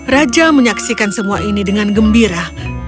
raja menyaksikan semua ini dengan gembira